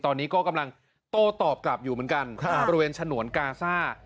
ตอนนี้ก็กำลังโต้ตอบกลับอยู่เหมือนกันบริเวณฉนวนกาซ่า